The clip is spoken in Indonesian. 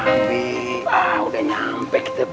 adi udah nyampe